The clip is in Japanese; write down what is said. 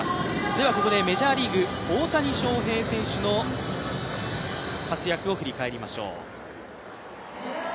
ではここでメジャーリーグ・大谷翔平選手の活躍を振り返りましょう。